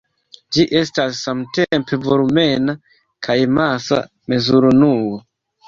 Ĝi estas samtempe volumena kaj masa mezurunuo.